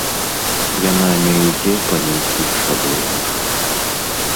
Яна не ідзе па нейкіх шаблонах.